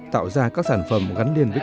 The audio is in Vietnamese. tạo ra các sản phẩm gắn liền với